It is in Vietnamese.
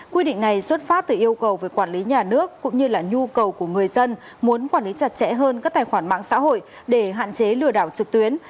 quy định này xuất phát từ yêu cầu về quản lý nhà nước cũng như là nhu cầu của người dân muốn quản lý chặt chẽ hơn các tài khoản mạng xã hội để hạn chế lừa đảo trực tuyến